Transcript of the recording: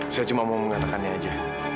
saya cuma mau mengatakannya aja